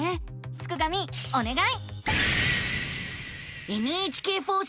すくがミおねがい！